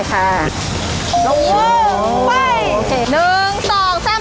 โหไป